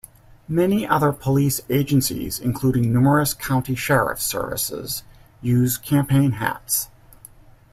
Many other police agencies, including numerous county sheriffs' services, use campaign hats.